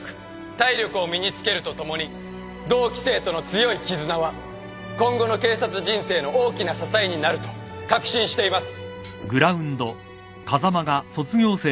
体力を身につけるとともに同期生との強い絆は今後の警察人生の大きな支えになると確信しています。